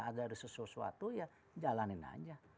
ada sesuatu ya jalanin aja